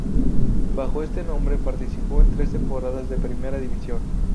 Bajo este nombre participó en tres temporadas de primera división.